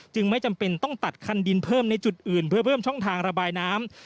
ไม่จำเป็นต้องตัดคันดินเพิ่มในจุดอื่นเพื่อเพิ่มช่องทางระบายน้ำ